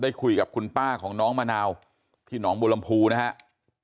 คุยกับคุณป้าของน้องมะนาวที่หนองบัวลำพูนะครับ